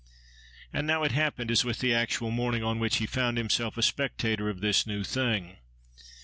And now it happened as with the actual morning on which he found himself a spectator of this new thing.